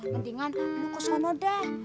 mendingan lu ke sana deh